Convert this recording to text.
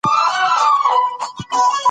ټولنیز تحلیل د ستونزو د حل لاره ده.